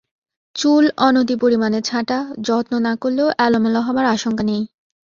চুল অনতি-পরিমাণে ছাঁটা, যত্ন না করলেও এলোমেলো হবার আশঙ্কা নেই।